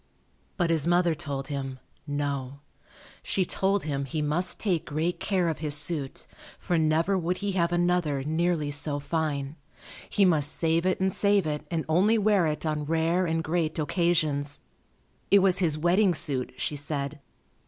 But his mother told him, "No." She told him he must take great care of his suit, for never would he have another nearly so fine; he must save it and save it and only wear it on rare and great occasions. It was his wedding suit, she said.